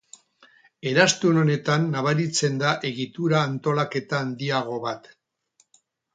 Eraztun honetan nabaritzen da egitura antolaketa handiago bat.